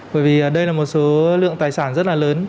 bởi vì đây là một số lượng tài sản rất là lớn